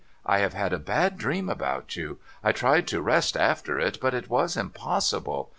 I have had a bad dream about you. I tried to rest after it, but it was impossible.